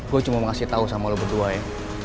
gue cuma mau kasih tau sama lo berdua ya